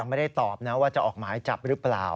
ไม่ได้ตอบนะว่าจะออกหมายจับหรือเปล่า